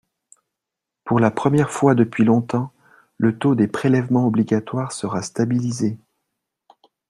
Pour la première fois depuis longtemps, le taux des prélèvements obligatoires sera stabilisé.